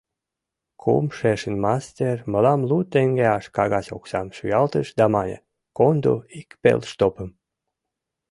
Кумшешын мастер мылам лу теҥгеаш кагаз оксам шуялтыш да мане: «Кондо ик пелштопым!»